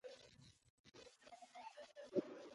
He responds between lyrics with Get your hand off that broad!